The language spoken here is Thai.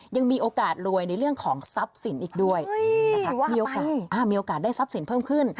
ยังมีโอกาสรวยในเรื่องของทรัพย์สินอีกด้วยนะคะมีโอกาสมีโอกาสได้ทรัพย์สินเพิ่มขึ้น